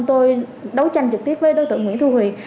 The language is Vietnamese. tôi đấu tranh trực tiếp với đối tượng nguyễn thu huyền